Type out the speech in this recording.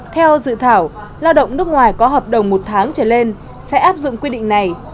theo dự thảo lao động nước ngoài có hợp đồng một tháng trở lên sẽ áp dụng quy định này